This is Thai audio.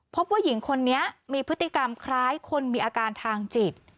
พบว่าหญิงคนนี้มีพฤติกรรมคล้ายคนมีอาการทางจิต